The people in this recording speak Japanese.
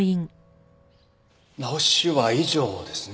直しは以上ですね？